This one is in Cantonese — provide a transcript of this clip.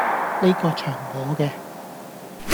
呢個場我既